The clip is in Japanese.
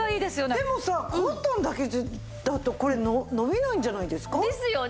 でもさコットンだけだとこれ伸びないんじゃないですか？ですよね！